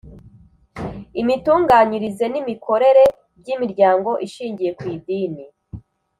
imitunganyirize n’ imikorere by’ imiryango ishingiye ku idini